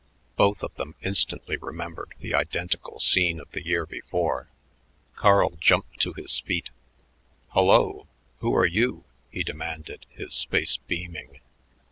Both of them instantly remembered the identical scene of the year before. Carl jumped to his feet. "Hullo who are you?" he demanded, his face beaming.